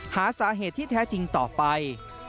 หาสาเหตุที่แท้จริงต่อไป